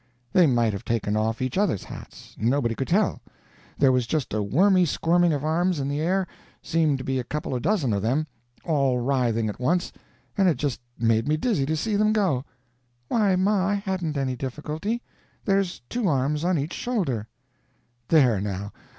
They might have taken off each other's hats. Nobody could tell. There was just a wormy squirming of arms in the air seemed to be a couple of dozen of them, all writhing at once, and it just made me dizzy to see them go." "Why, ma, I hadn't any difficulty. There's two arms on each shoulder " "There, now.